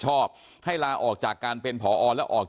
เชิงชู้สาวกับผอโรงเรียนคนนี้